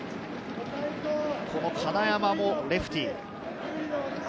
この金山もレフティー。